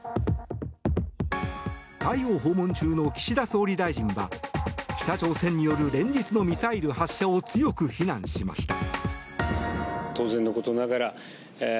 タイを訪問中の岸田総理は北朝鮮による連日のミサイル発射を強く非難しました。